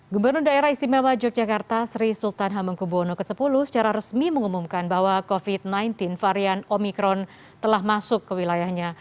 gubernur daerah istimewa yogyakarta sri sultan hamengkubwono x secara resmi mengumumkan bahwa covid sembilan belas varian omikron telah masuk ke wilayahnya